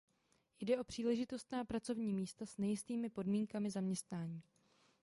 Jde o příležitostná pracovní místa s nejistými podmínkami zaměstnání.